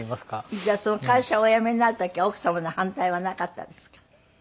じゃあ会社をお辞めになる時は奥様の反対はなかったですか？